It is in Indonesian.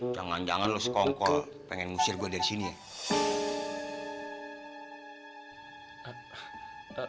jangan jangan lo sekongkol pengen ngusir gue dari sini ya